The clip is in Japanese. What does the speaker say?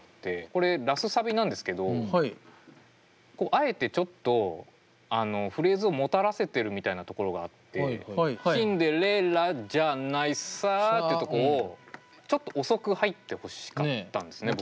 これラスサビなんですけどあえてちょっとあのフレーズをもたらせてるみたいなところがあって「シンデレラじゃないさ」っていうとこをちょっと遅く入ってほしかったんですね